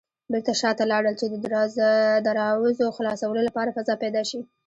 بېرته شاته لاړل چې د دراوزو خلاصولو لپاره فضا پيدا شي.